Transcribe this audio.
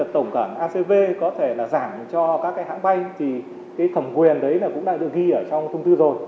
tổng cảng acv có thể là giảm cho các hãng bay thì cái thẩm quyền đấy là cũng đã được ghi ở trong thông thư rồi